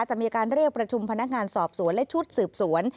จะมีการเรียกประชุมพนักงานสอบสวนและชุดสืบสวน